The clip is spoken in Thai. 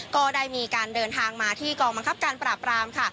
ก็ได้มีการเดินทางมาที่กองบังคับการปราบรามค่ะ